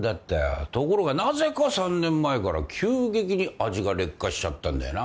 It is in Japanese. ところがなぜか３年前から急激に味が劣化しちゃったんだよな。